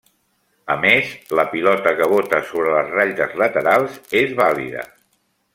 A més, la pilota que bote sobre les ratlles laterals és vàlida.